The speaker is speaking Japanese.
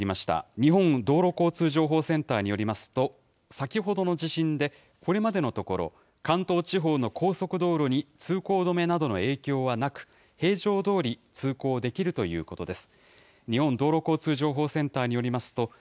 日本道路交通情報センターによりますと、先ほどの地震で、これまでのところ、関東地方の高速道路に通行止めなどの影響はなく、平常どおり通行できるということです。